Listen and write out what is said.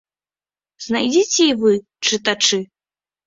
Знайдзіце і вы, чытачы.